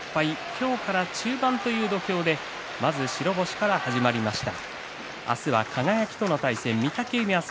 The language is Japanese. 今日から中盤という土俵でまず白星から始まりました。